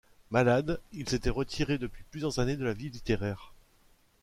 Malade, il s’était retiré depuis plusieurs années de la vie littéraire.